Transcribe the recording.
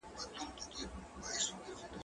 زه سبزیجات نه جمع کوم